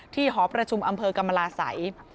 หอประชุมอำเภอกรรมลาศัย